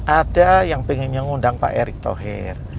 ada yang pengen mengundang pak erick thohir